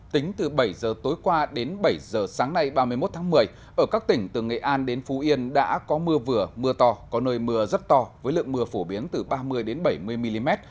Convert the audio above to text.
tính từ bảy giờ tối qua đến bảy giờ sáng nay ba mươi một tháng một mươi ở các tỉnh từ nghệ an đến phú yên đã có mưa vừa mưa to có nơi mưa rất to với lượng mưa phổ biến từ ba mươi bảy mươi mm